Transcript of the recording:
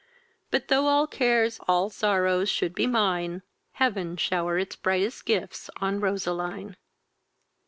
But, though all cares, all sorrows should be mine, Heaven shower its brightest gifts on Roseline!